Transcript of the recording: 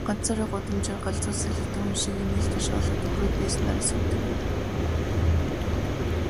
Ганцаараа гудамжаар галзуу солиотой хүн шиг инээгээд, шоолоод ч хөхрөөд л байснаа санадаг юм.